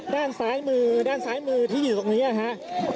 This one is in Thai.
ด้านซ้ายมือด้านซ้ายมือที่อยู่ตรงนี้นะครับ